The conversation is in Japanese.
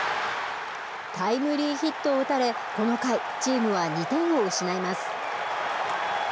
タイムリーヒットを打たれこの回、チームは２点を失います。